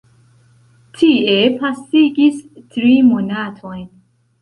Tie pasigis tri monatojn.